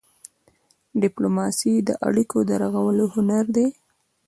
ډيپلوماسي د اړیکو د رغولو هنر دی.